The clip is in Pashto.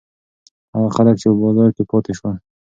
هغه خلک چې په بازار کې پاتې شول.